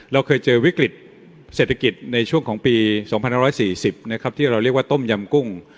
เราเคยเจอวิกฤตเศรษฐกิจในช่วงของปี๒๕๔๐นะครับที่เราเรียกว่าต้มยำกุ้ง